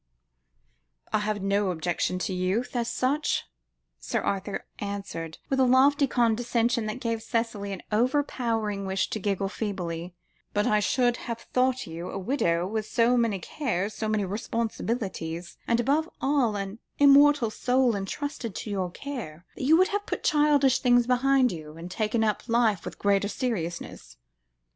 "I have no objection to youth, as such," Sir Arthur answered, with a lofty condescension that gave Cicely an overpowering wish to giggle feebly; "but I should have thought you, a widow, with so many cares, so many responsibilities, and above all with an immortal soul entrusted to your care, that you would have put childish things behind you, and taken up life with greater seriousness."